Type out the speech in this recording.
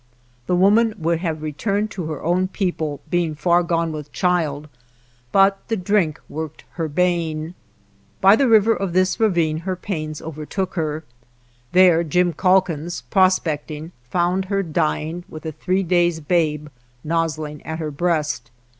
The woman would have returned to her own III JIMVILLE "people, being far gone with child, but the drink worked her bane. By the river of this ravine her pains overtook her. There Jim Calkins, prospecting, found her dying with a three days' babe nozzling at her breast.